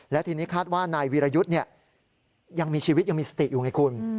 และทีนี้คาดว่านายวีรยุทธ์ยังมีชีวิตยังมีสติอยู่ไงคุณ